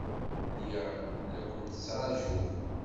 Lliɣ la ken-ttṛajuɣ.